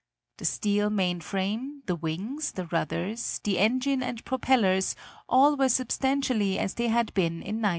The steel main frame, the wings, the rudders, the engine and propellers all were substantially as they had been in 1903.